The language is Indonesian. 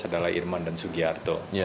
adalah irman dan sugiarto